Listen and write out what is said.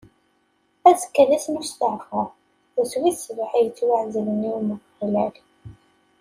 Azekka d ass n usteɛfu, d ass wis sebɛa yettwaɛezlen i Umeɣlal.